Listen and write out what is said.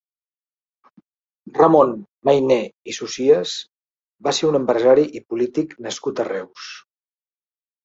Ramon Mayner i Socias va ser un empresari i polític nascut a Reus.